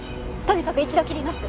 とにかく一度切ります。